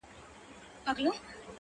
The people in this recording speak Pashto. پښتانه چي له قلم سره اشنا کړو,